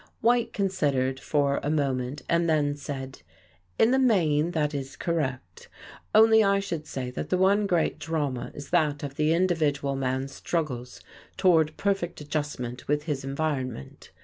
White considered for a moment and then said: "In the main, that is correct. Only I should say that the one great drama is that of the individual man's struggles toward perfect adjustment with his environment.